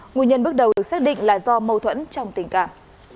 nguyên nhân bước đầu được xác định là do mâu thuẫn trong tình cảm